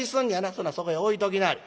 そんならそこへ置いときなはれ。